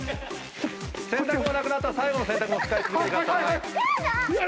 洗濯物なくなったら最後の使い続けてください。